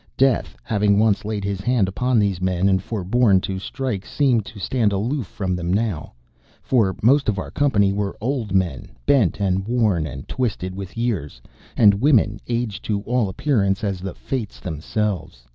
Death, having once laid his hand upon these men and forborne to strike, seemed to stand aloof from them now; for most of our company were old men, bent and worn and twisted with years, and women aged to all appearance as the Fates themselves.